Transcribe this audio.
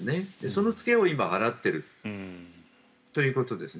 その付けを今、払っているということです。